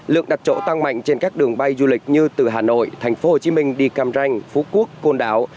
lượng đặt chỗ tăng mạnh trên các đường bay du lịch như từ hà nội thành phố hồ chí minh đi càm ranh phú quốc côn đảo